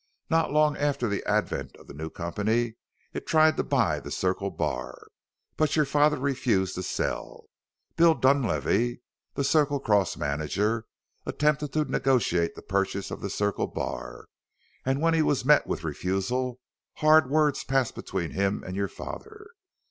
Not long after the advent of the new company it tried to buy the Circle Bar, but your father refused to sell. Bill Dunlavey, the Circle Cross manager, attempted to negotiate the purchase of the Circle Bar and when he was met with refusal hard words passed between him and your father.